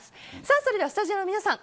それではスタジオの皆さん